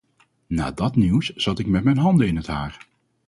Na dat nieuws zat ik met m’n handen in het haar.